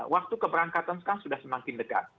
waktu keberangkatan sekarang sudah semakin dekat